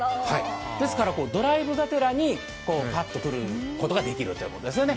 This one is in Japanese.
ですからドライブがてらにパッと来ることができるんですね。